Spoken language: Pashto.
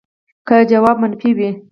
که ځواب منفي وي